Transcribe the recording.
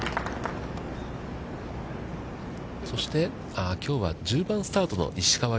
そして、きょうは１０番スタートの石川遼。